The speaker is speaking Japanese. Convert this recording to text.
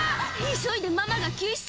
急いでママが救出！